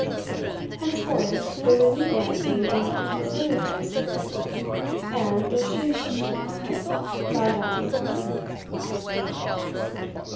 Henceforth they would meet Nancy in a conciliatory spirit, and, if she insisted upon it, bow down before her.